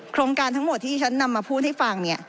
โครงการทั้งหมดที่นำมาพูดให้ฟังเนี้ย